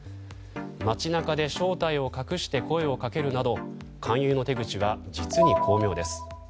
街中で正体を隠して声をかけるなど勧誘の手口は実に巧妙です。